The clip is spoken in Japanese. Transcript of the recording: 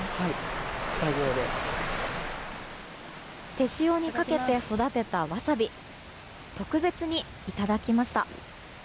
手塩にかけて育てたわさび特別にいただきました。